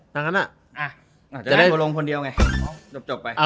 จะได้โปรโลงคนเดียวไง